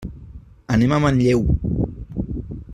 Anem a Manlleu.